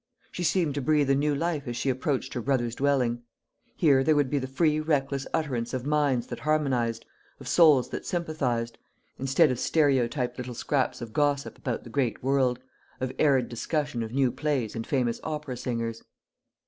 She seemed to breathe a new life as she approached her brother's dwelling. Here there would be the free reckless utterance of minds that harmonised, of souls that sympathised: instead of stereotyped little scraps of gossip about the great world, or arid discussion of new plays and famous opera singers.